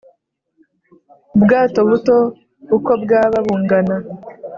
ubwato buto uko bwaba bungana